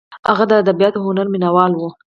هغه د ادبیاتو او هنر مینه وال و.